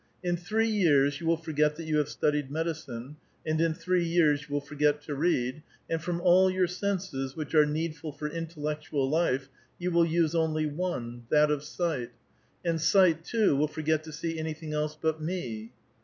In three years you will foi^et that 30U have studied medicine, and in three yeare you will forget to read, and from all your senses, which are needful for intellectual life, you will use only one, — that of sight ; and sight, too, will forget to see anything else but me."